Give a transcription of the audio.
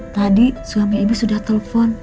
tadi suami ibu sudah telpon